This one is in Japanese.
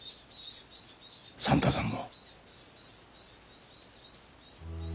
算太さんも。